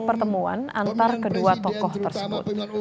pertemuan antara kedua tokoh tersebut